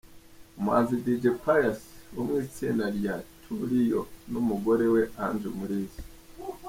Umuhanzi Dj Pius wo mu itsinda rya TwoReal n’umugore we Ange Umulisa.